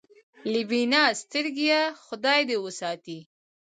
له بینا سترګېه خدای دې وساتي.